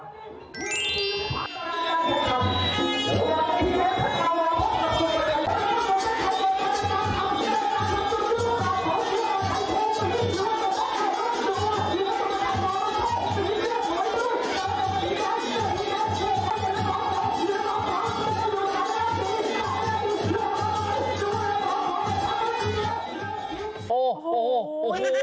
พี่ก๊วดยิงออกก่อนก็ฉ่องยิงออกอีกตัว